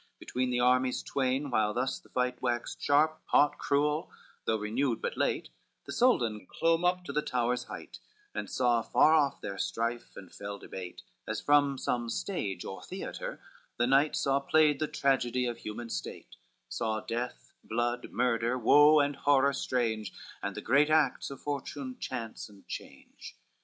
LXXIII Between the armies twain while thus the fight Waxed sharp, hot, cruel, though renewed but late, The Soldan clomb up to the tower's height, And saw far off their strife and fell debate, As from some stage or theatre the knight Saw played the tragedy of human state, Saw death, blood, murder, woe and horror strange, And the great acts of fortune, chance, and change.